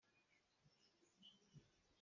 Angkileng kaa aih hnga maw?